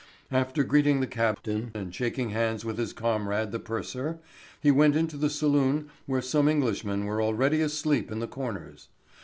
After greeting the Captain and shaking hands with his comrade the purser, he went into the saloon where some Englishmen were already asleep in the corners.